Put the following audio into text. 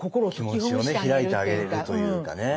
気持ちを開いてあげるというかね。